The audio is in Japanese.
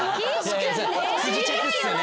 不時着っすよね。